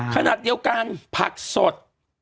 ขนาดเดียวกันผักสด